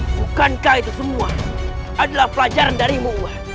bukankah itu semua adalah pelajaran dari mu